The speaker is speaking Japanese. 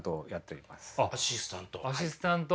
アシスタント。